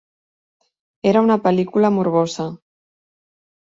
Era una pel·lícula morbosa.